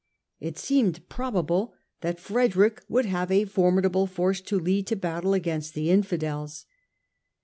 It seemed probable that Frederick would have a formidable force to lead to battle against the Infidels.